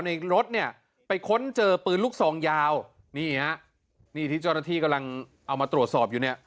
รถเนี่ยไปค้นเจอปืนลูกซองยาวนี่ฮะนี่ที่เจ้าหน้าที่กำลังเอามาตรวจสอบอยู่เนี่ย